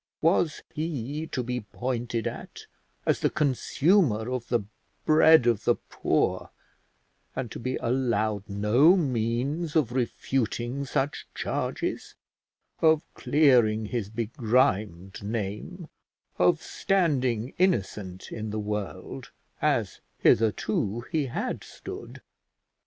Was he to be pointed at as the consumer of the bread of the poor, and to be allowed no means of refuting such charges, of clearing his begrimed name, of standing innocent in the world, as hitherto he had stood?